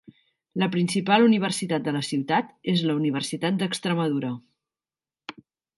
La principal universitat de la ciutat és la Universitat d'Extremadura.